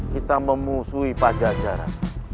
kita memusuhi pajajaran